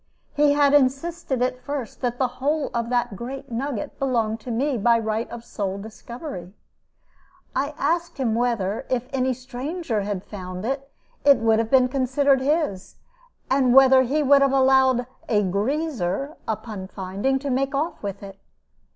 He had insisted at first that the whole of that great nugget belonged to me by right of sole discovery. I asked him whether, if any stranger had found it, it would have been considered his, and whether he would have allowed a "greaser," upon finding, to make off with it.